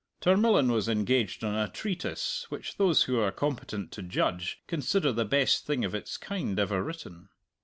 Tarmillan was engaged on a treatise which those who are competent to judge consider the best thing of its kind ever written.